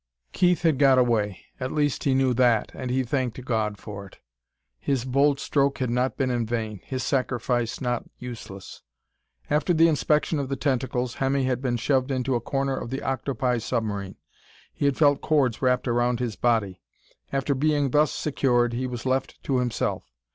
Keith had got away. At least he knew that, and he thanked God for it. His bold stroke had not been in vain, his sacrifice not useless. After the inspection of the tentacles, Hemmy had been shoved to a corner of the octopi submarine. He had felt cords wrapped around his body. After being thus secured, he was left to himself.